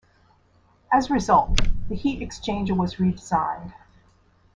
As a result, the heat exchanger was redesigned.